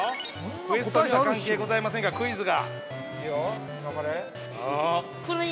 クエストには関係ございませんがクイズが。